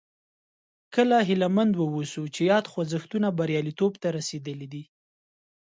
کله هیله مند واوسو چې یاد خوځښتونه بریالیتوب ته رسېدلي.